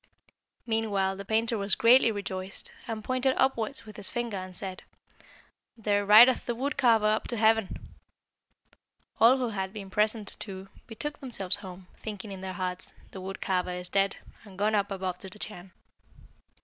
"Meanwhile the painter was greatly rejoiced, and pointed upwards with his finger, and said, 'There rideth the wood carver up to heaven.' All who had been present, too, betook themselves home, thinking in their hearts, 'The wood carver is dead, and gone up above to the Chan.'